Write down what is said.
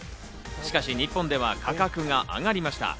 しかし日本では価格が上がりました。